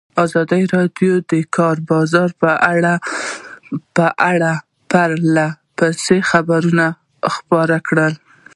ازادي راډیو د د کار بازار په اړه پرله پسې خبرونه خپاره کړي.